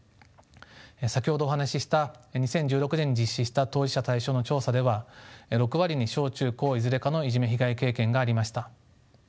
先ほどお話しした２０１６年に実施した当事者対象の調査では６割に小中高いずれかのいじめ被害経験がありました。